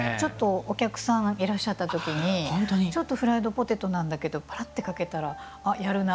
お客さんがいらっしゃったときにフライドポテトなんだけどパラってかけたらやるな！